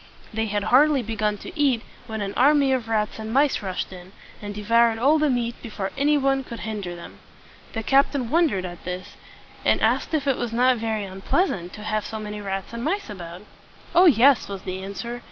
They had hardly begun to eat when an army of rats and mice rushed in, and de voured all the meat before any one could hinder them. The captain wondered at this, and asked if it was not very un pleas ant to have so many rats and mice about. "Oh, yes!" was the answer.